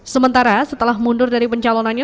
sementara setelah mundur dari pencalonannya